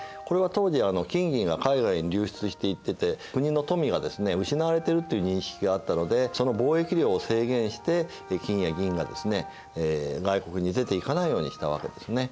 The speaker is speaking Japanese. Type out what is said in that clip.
これは当時金銀が海外に流出していってて国の富が失われているという認識があったのでその貿易量を制限して金や銀が外国に出ていかないようにしたわけですね。